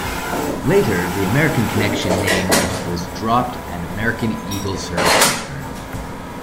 Later, the American Connection name was dropped and American Eagle service returned.